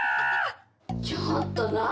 ちょっと何！？